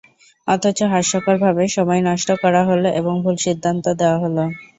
অথচ হাস্যকরভাবে সময় নষ্ট করা হলো এবং ভুল সিদ্ধান্ত দেওয়া হলো।